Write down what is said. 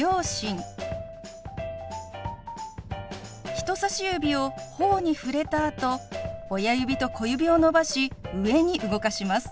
人さし指をほおに触れたあと親指と小指を伸ばし上に動かします。